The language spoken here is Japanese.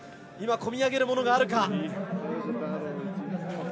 今、込み上げるものがあるか。